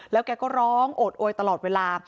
แล้วแกก็ร้องโอดโอยตลอดเวลา